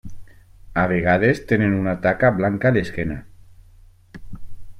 A vegades tenen una taca blanca a l'esquena.